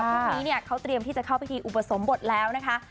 พวกนี้เขาเตรียมที่จะเข้าไปที่อุปสมบทแล้วนะคะ